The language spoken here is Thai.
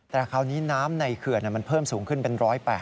แต่คราวนี้น้ำในเขื่อนมันเพิ่มสูงขึ้นเป็น๑๘๐